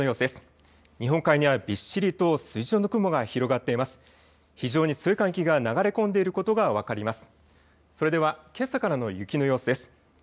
それではけさからの雪の様子です。